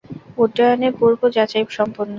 উড্ডয়নের পূর্ব-যাচাই সম্পন্ন।